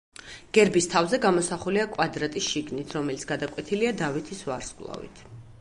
გერბის თავზე გამოსახულია კვადრატი შიგნით, რომელიც გადაკვეთილია დავითის ვარსკვლავით.